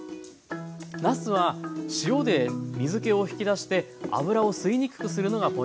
なすは塩で水けを引き出して油を吸いにくくするのがポイントです。